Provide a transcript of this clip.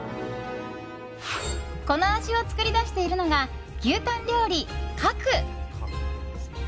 この味を作り出しているのが牛たん料理閣。